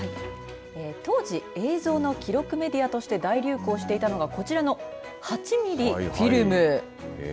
当時映像の記録メディアとして大流行していたのがこちらの８ミリフィルム。